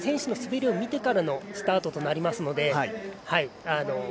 前の選手の滑りを見てからのスタートとなるので。